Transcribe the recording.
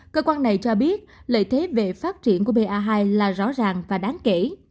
cơ quan này cho biết lợi thế về phát triển của ba hai là rõ ràng và đáng kể